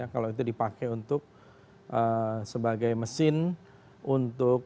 kalau itu dipakai untuk sebagai mesin untuk